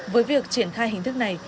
với việc triển khai hình thức này